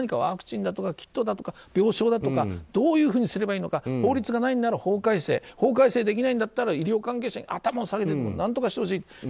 ワクチンだとかキットだとか病床だとかどういうふうにすればいいのか法律がないなら法改正法改正できないんだったら医療関係者に頭を下げてでも何とかしてほしい。